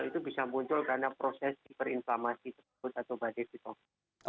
itu bisa muncul karena proses hiperinflamasi tersebut atau badai sitok